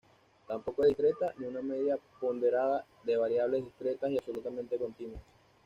Tampoco es discreta, ni una media ponderada de variables discretas y absolutamente continuas.